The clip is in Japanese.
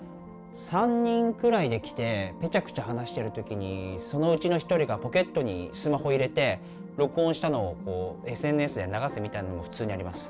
３人くらいで来てぺちゃくちゃ話してる時にそのうちのひとりがポケットにスマホ入れて録音したのをＳＮＳで流すみたいなのも普通にあります。